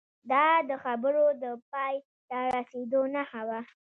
دا د خبرو د پای ته رسیدو نښه وه